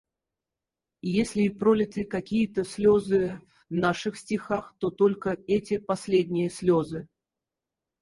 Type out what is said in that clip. Если и пролиты какие-то слёзы в наших стихах, то только эти, последние слёзы.